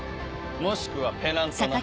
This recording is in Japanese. もしくはペナントな。